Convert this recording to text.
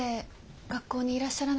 学校にいらっしゃらなくて。